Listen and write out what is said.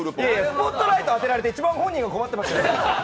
スポットライト当てられて一番本人が困ってましたよ。